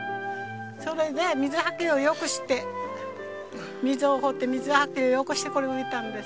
それで水はけを良くして水を放って水はけを良くしてこれを植えたんです。